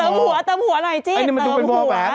หัวเติมหัวหน่อยสิเติมหัว